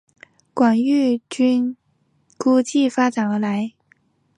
广义矩估计发展而来。